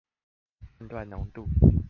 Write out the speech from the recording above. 判斷濃度